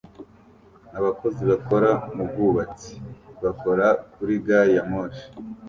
Abakozi bakora mu bwubatsi bakora kuri gari ya moshi